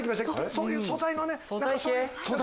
そういう素材のね。